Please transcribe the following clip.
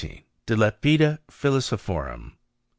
De Lapide Philosophorum.